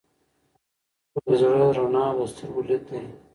پوهه د زړه رڼا او د سترګو لید دی.